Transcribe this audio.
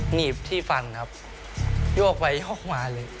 หนีบที่ฟันครับโยกไปโยกมาเลย